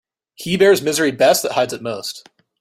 He bears misery best that hides it most.